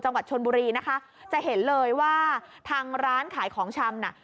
จังหวัดชนบุรีนะคะจะเห็นเลยว่าทางร้านขายของชำน่ะ